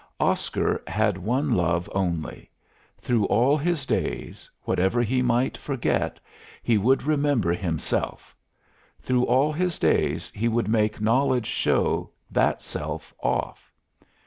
Oscar had one love only: through all his days whatever he might forget, he would remember himself; through all his days he would make knowledge show that self off.